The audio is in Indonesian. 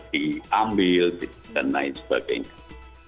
diambil dan lain sebagainya